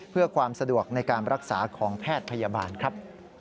เพื่อความสะดวกในการรักษาของแพทย์พยาบาลครับ